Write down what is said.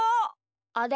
あれ？